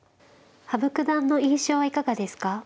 羽生九段の印象はいかがですか。